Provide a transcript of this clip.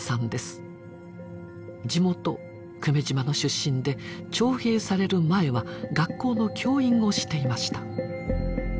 地元久米島の出身で徴兵される前は学校の教員をしていました。